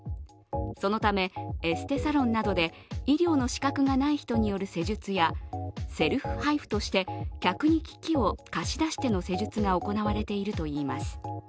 そのため、エステサロンなどで医療の資格がない人による施術やセルフＨＩＦＵとして客に機器を貸し出しての施術が行われているといいます。